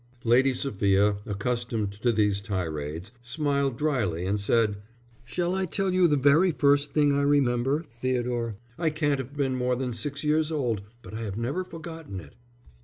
Lady Sophia, accustomed to these tirades, smiled dryly and said: "Shall I tell you the very first thing I remember, Theodore? I can't have been more than six years old, but I have never forgotten it."